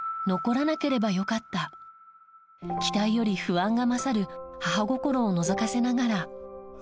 期待より不安が勝る母心をのぞかせながら。